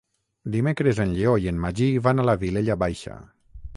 Dimecres en Lleó i en Magí van a la Vilella Baixa.